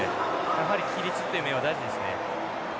やはり規律という面は大事ですね。